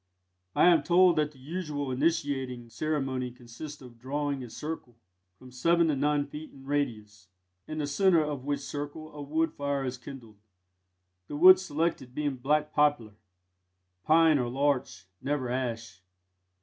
I am told that the usual initiating ceremony consists of drawing a circle, from seven to nine feet in radius, in the centre of which circle a wood fire is kindled the wood selected being black poplar, pine or larch, never ash.